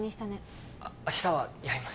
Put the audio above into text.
明日はやります